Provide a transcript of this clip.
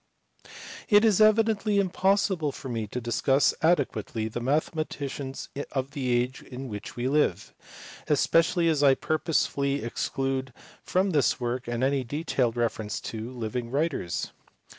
IT is evidently impossible for me to discuss adequately the mathematicians of the age in which we live, especially as I purposely exclude from this work any detailed reference to living writers.